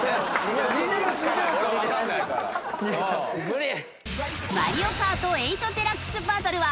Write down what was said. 無理！